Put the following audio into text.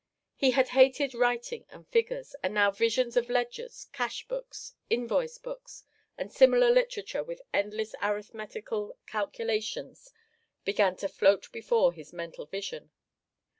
He had hated writing and figures, and now visions of ledgers, cash books, invoice books and similar literature with endless arithmetical calculations began to float before his mental vision.